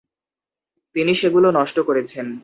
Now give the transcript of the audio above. তিনি সেগুলো নষ্ট করেছেন।